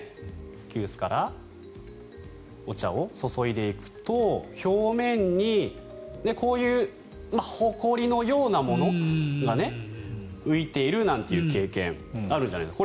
急須からお茶を注いでいくと表面にこういう、ほこりのようなものが浮いているなんていう経験あるんじゃないですか？